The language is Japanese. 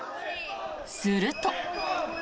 すると。